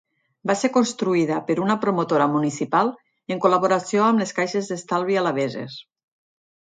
Va ser construïda per una promotora municipal en col·laboració amb les caixes d'estalvi alabeses.